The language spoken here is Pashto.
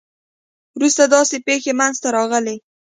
وروسته داسې پېښې منځته راغلې.